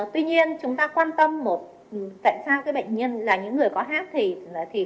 tuy nhiên chúng ta quan tâm một tại sao bệnh nhân là những người có hát thì